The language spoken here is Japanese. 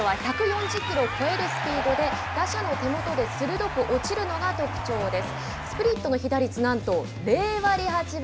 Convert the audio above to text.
大谷選手のスプリットは１４０キロを超えるスピードで打者の手元で鋭く落ちるのが特徴です。